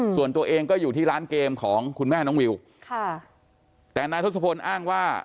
ส่วนตัวเองก็อยู่ที่ร้านเกมของคุณแม่น้องวิวค่ะแต่นายทศพลอ้างว่า